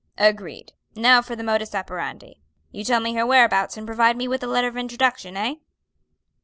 "Agreed. Now for the modus operandi. You tell me her whereabouts and provide me with a letter of introduction, eh?"